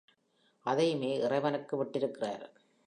அதையுமே இறைவனுக்கு விட்டிருக்கிறார்.